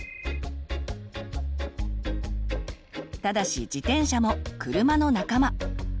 ただし自転車も「車の仲間」。